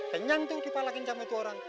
kenyang tuh dipalakin sama itu orang